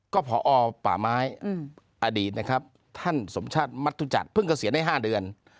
ก็พอป่าไม้อดีตนะครับท่านสมชาติมัธุจักรเพิ่งเกษียณได้๕เดือน